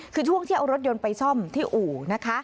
คือช่วงที่เอารถยนต์ไปซ่อมที่อู่นะคะ